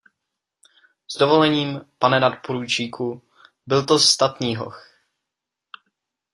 S dovolením, pane nadporučíku, byl to statný hoch.